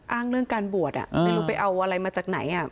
อ้างเรื่องการบวชไม่รู้ไปเอาอะไรมาจากไหน